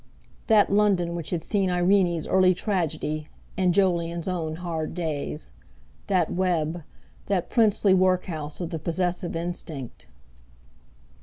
That London which had seen Irene's early tragedy, and Jolyon's own hard days; that web; that princely workhouse of the possessive instinct!